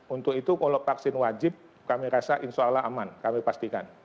untuk itu kalau vaksin wajib kami rasa insya allah aman kami pastikan